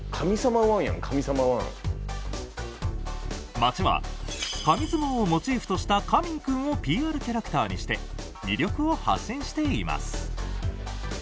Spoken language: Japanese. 町は神相撲をモチーフとした神民くんをＰＲキャラクターにして魅力を発信しています。